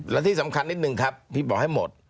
และที่สำคัญนิดนึงครับพี่บอกให้หมด